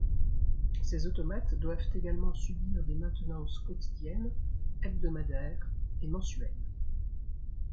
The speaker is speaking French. Ces automates doivent également subir des maintenances quotidiennes, hebdomadaires et mensuelles.